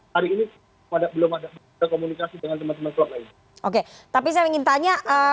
hari ini belum ada komunikasi dengan teman teman klub lain oke tapi saya ingin tanya